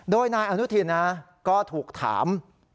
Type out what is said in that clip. โดยนายอนุทินก็ถูกถาม